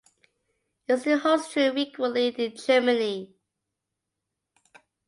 It still holds true frequently in Germany.